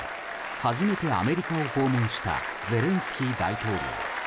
初めてアメリカを訪問したゼレンスキー大統領。